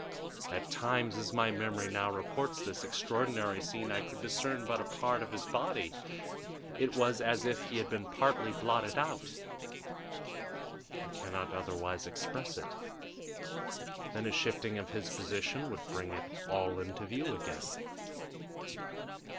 At times, as my memory now reports this extraordinary scene, I could discern but a part of his body; it was as if he had been partly blotted out I can not otherwise express it then a shifting of his position would bring it all into view again.